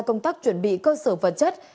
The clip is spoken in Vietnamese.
công tác chuẩn bị cơ sở vật chất